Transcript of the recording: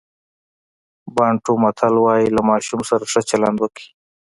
بانټو متل وایي له ماشوم سره ښه چلند وکړئ.